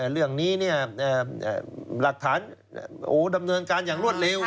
เรื่องนี้หลักฐานดำเนินการอย่างรวดเร็ว